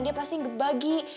dia pasti ngebagi